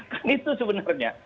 kan itu sebenarnya